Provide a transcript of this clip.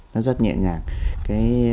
nó rất nhẹ nhàng